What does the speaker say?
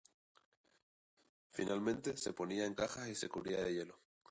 Finalmente, se ponía en cajas y se cubría de hielo.